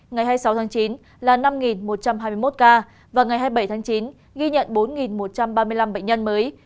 ngày hai mươi sáu tháng chín là năm một trăm hai mươi một ca và ngày hai mươi bảy tháng chín ghi nhận bốn một trăm ba mươi năm bệnh nhân mới